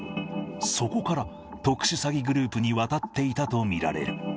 そこから特殊詐欺グループに渡っていたと見られる。